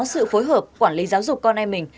sự phối hợp quản lý giáo dục con em mình